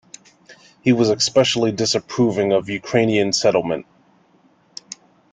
He was especially disapproving of Ukrainian settlement.